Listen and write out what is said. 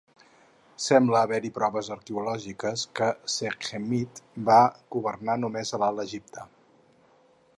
Sembla haver-hi proves arqueològiques que Sekhemib va governar només a l'Alt Egipte.